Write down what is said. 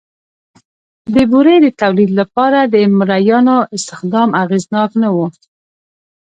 د بورې د تولید لپاره د مریانو استخدام اغېزناک نه و